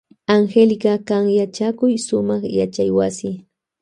Angélica kan yachakuy sumak yachaywasi.